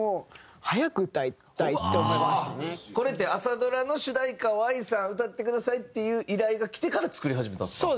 これって朝ドラの主題歌をＡＩさん歌ってくださいっていう依頼がきてから作り始めたんですか？